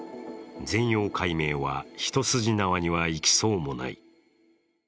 全容解明は一筋縄にはいきそうにない。